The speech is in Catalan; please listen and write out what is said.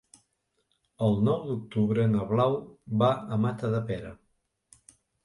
El nou d'octubre na Blau va a Matadepera.